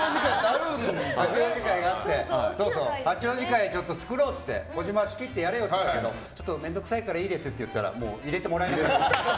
八王子会があって八王子会を作ろうっていって児嶋が仕切ってやれよって言われたけど面倒くさいからいいですってもう入れてもらえなくなった。